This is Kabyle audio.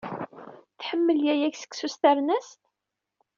Tḥemmel yaya-k seksu s ternast?